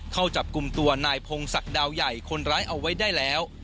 เข้าจับกลุ่มตัวนายพงศักดิ์ดาวใหญ่คนร้ายเอาไว้ได้แล้ว